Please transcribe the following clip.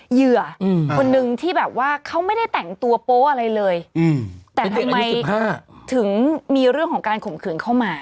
เหยื่อคนนึงที่แบบว่าเขาไม่ได้แต่งตัวโป๊ะอะไรเลยแต่ทำไมถึงมีเรื่องของการข่มขืนเข้ามา